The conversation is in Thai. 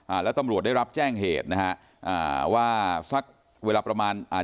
แล้วตำรวจได้รับแจ้งเหตุนะฮะอ่าว่าสักเวลาประมาณอ่า